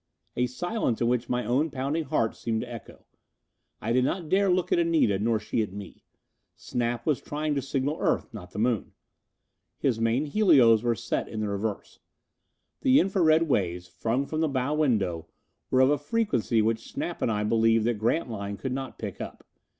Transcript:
A silence in which my own pounding heart seemed to echo. I did not dare look at Anita, nor she at me. Snap was trying to signal Earth, not the Moon! His main helios were set in the reverse. The infra red waves, flung from the bow window, were of a frequency which Snap and I believed that Grantline could not pick up.